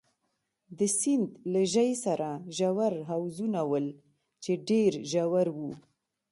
د سیند له ژۍ سره ژور حوضونه ول، چې ډېر ژور وو.